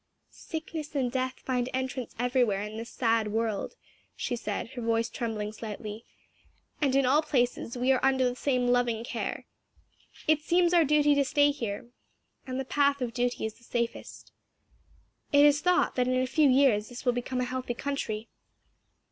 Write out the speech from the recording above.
"Sickness and death find entrance everywhere in this sad world," she said; her voice trembling slightly, "and in all places we are under the same loving care. It seems our duty to stay here, and the path of duty is the safest. It is thought that in a few years this will become a healthy country."